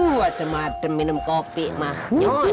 hai uh adem adem minum kopi mah nyos